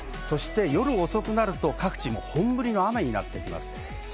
夜遅くなると各地本降りの雨になってきます。